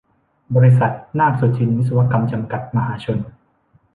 บริษัท นาคสุทินวิศวกรรม จำกัด มหาชน